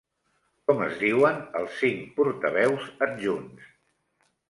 Com es diuen els cinc portaveus adjunts?